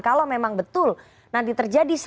kalau memang betul nanti terjadi